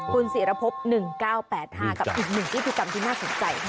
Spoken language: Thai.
คุณศิรพบ๑๙๘๕กับอีกหนึ่งพิธีกรรมที่น่าสนใจมาก